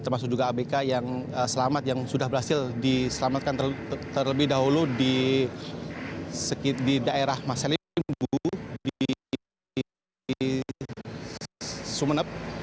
termasuk juga abk yang selamat yang sudah berhasil diselamatkan terlebih dahulu di daerah masalimbu di sumeneb